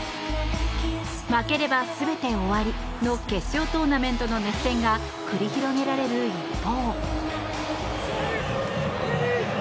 負ければ全て終わりの決勝トーナメントの熱戦が繰り広げられる一方。